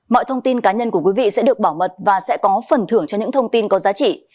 mọi thông tin cá nhân của quý vị sẽ được bảo mật và sẽ có phần thưởng cho những thông tin có giá trị